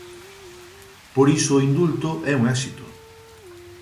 Por iso o indulto é un éxito.